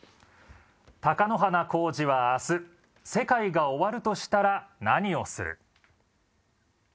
貴乃花光司は明日世界が終わるとしたら何をする？